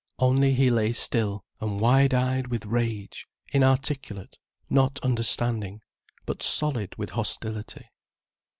Only he lay still and wide eyed with rage, inarticulate, not understanding, but solid with hostility.